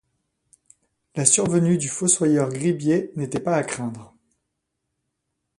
La survenue du fossoyeur Gribier n'était pas à craindre.